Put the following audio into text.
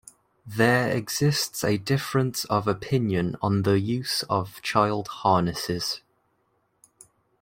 There exists a difference of opinion on the use of child harnesses.